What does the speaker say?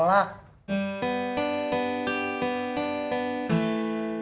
udah pernah beli cuma ditolak